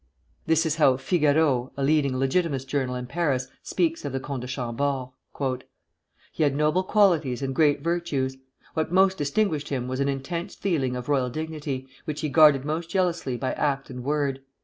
This is how "Figaro," a leading Legitimist journal in Paris, speaks of the Comte de Chambord: "He had noble qualities and great virtues. What most distinguished him was an intense feeling of royal dignity, which he guarded most jealously by act and word.